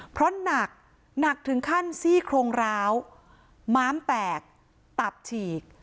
เพราะหนักหนักถึงขั้นซี่โครงร้าวม้ามแตกตับฉีก